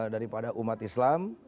daripada umat islam